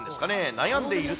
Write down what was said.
悩んでいると。